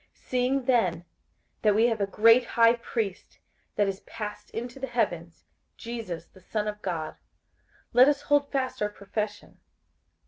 58:004:014 Seeing then that we have a great high priest, that is passed into the heavens, Jesus the Son of God, let us hold fast our profession.